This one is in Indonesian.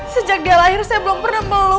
sejak dia lahir saya belum pernah melulu